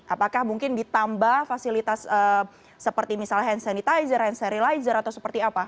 apakah mungkin ditambah fasilitas seperti misalnya hand sanitizer hand sanilizer atau seperti apa